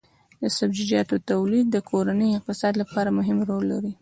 د سبزیجاتو تولید د کورني اقتصاد لپاره مهم رول لري.